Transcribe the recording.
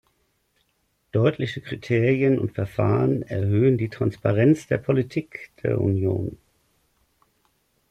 Deutliche Kriterien und Verfahren erhöhen die Transparenz der Politik der Union.